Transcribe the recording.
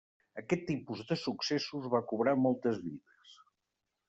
Aquest tipus de successos va cobrar moltes vides.